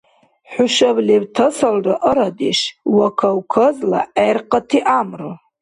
ХӀушаб лебтасалра арадеш ва Кавказла гӀеркъати гӀямру!